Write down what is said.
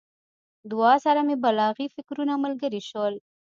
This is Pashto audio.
دعا سره مې بلاغي فکرونه ملګري شول.